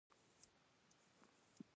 د کابل په سروبي کې د مسو نښې شته.